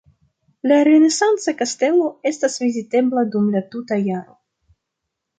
La renesanca kastelo estas vizitebla dum la tuta jaro.